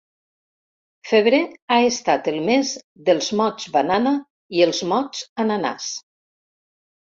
Febrer ha estat el mes dels mots banana i els mots ananàs.